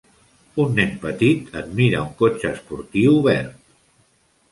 Un nen petit admira un cotxe esportiu verd.